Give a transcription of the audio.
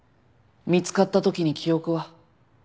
見つかった時に記憶は？